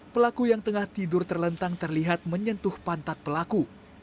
pelaku yang tengah tidur terlentang terlihat menyentuh pantat pelaku